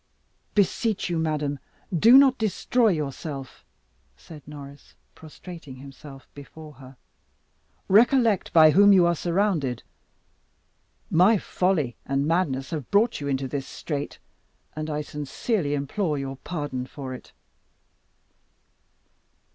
"Beseech you, madam, do not destroy yourself," said Norris, prostrating himself before her. "Recollect by whom you are surrounded. My folly and madness have brought you into this strait, and I sincerely implore your pardon for it."